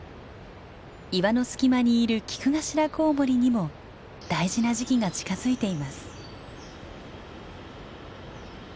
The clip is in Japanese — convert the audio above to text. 岩の隙間にいるキクガシラコウモリにも大事な時期が近づいています。